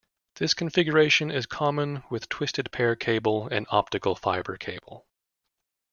This configuration is common with twisted pair cable and optical fibre cable.